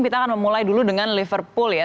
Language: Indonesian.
kita akan memulai dulu dengan liverpool ya